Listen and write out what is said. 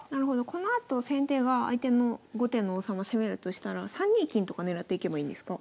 このあと先手が相手の後手の王様攻めるとしたら３二金とか狙っていけばいいんですか？